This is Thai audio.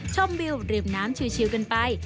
ชมวิวริมน้ำชิลกันไป